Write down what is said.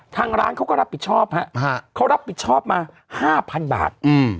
ทางร้านเขาก็รับผิดชอบฮะเขารับผิดชอบมา๕๐๐๐บาท